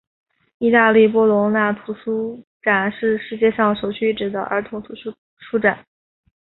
意大利波隆那童书展是世界上首屈一指的儿童图书书展。